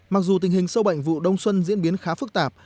mặc dù tình hình sâu bệnh vụ đông xuân diễn biến khá phức tạp